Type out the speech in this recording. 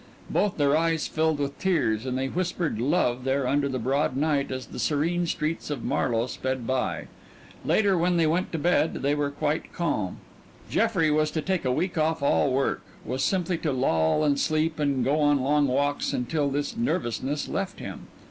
Both their eyes filled with tears and they whispered love there under the broad night as the serene streets of Marlowe sped by. Later, when they went to bed, they were quite calm. Jeffrey was to take a week off all work was simply to loll, and sleep, and go on long walks until this nervousness left him.